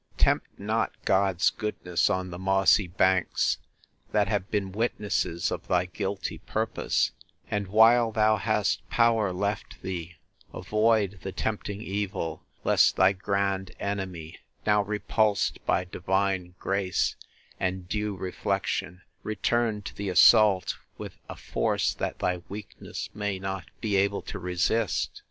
Tempt not God's goodness on the mossy banks, that have been witnesses of thy guilty purpose: and while thou hast power left thee, avoid the tempting evil, lest thy grand enemy, now repulsed by divine grace, and due reflection, return to the assault with a force that thy weakness may not be able to resist!